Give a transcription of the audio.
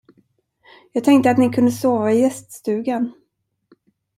Jag tänkte att ni kunde sova i gäststugan.